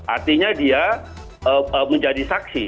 artinya dia menjadi saksi